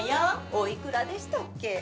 お幾らでしたっけ？